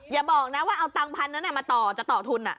อย่าบอกนะว่าเอาตังค์๑๐๐๐แล้วเนี่ยมาต่อจะต่อทุนอ่ะ